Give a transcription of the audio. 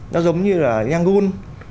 nó giống như là yangon